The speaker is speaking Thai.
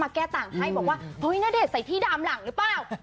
เห้ยนาเณดใส่ชิงที่ดามหลังหรือเปล่า